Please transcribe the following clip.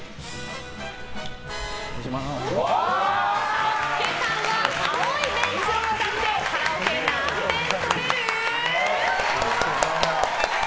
サスケさんが「青いベンチ」を歌ってカラオケ何点取れる？